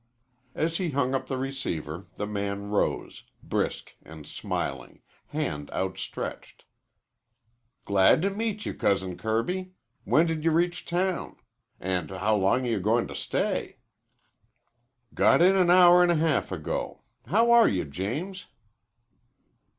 As he hung up the receiver the man rose, brisk and smiling, hand outstretched. "Glad to meet you, Cousin Kirby. When did you reach town? And how long are you going to stay?" "Got in hour an' a half ago. How are you, James?"